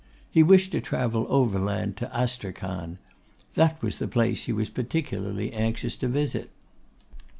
He wished to travel overland to Astrachan. That was the place he was particularly anxious to visit.